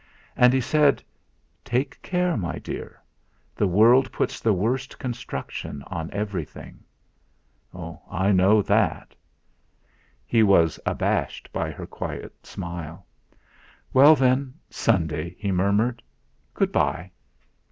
And he said: "Take care, my dear! The world puts the worst construction on everything." "I know that." He was abashed by her quiet smile. "Well then Sunday," he murmured: "Good bye."